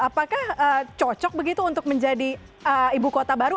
apakah cocok begitu untuk menjadi ibu kota baru